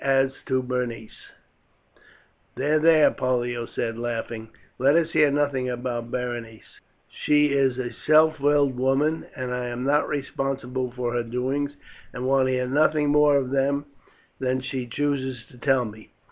As to Berenice " "There, there," Pollio said laughing, "let us hear nothing about Berenice. She is a self willed woman, and I am not responsible for her doings, and want to hear nothing more of them than she chooses to tell me."